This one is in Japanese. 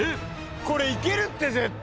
これ行けるって絶対。